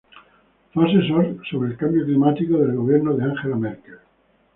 Fue asesor sobre el cambio climático del gobierno de Angela Merkel.